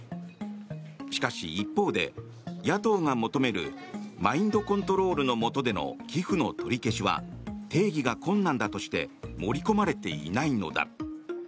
しかし、一方で野党が求めるマインドコントロールのもとでの寄付の取り消しは定義が困難だとして盛り込まれていないのだ。